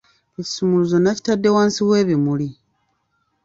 Ekisumuluzo nakitadde wansi w'ebimuli.